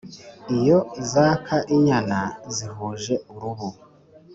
iyo zaka inyana zihuje urubu